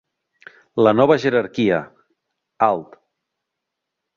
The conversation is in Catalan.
La nova jerarquia, alt.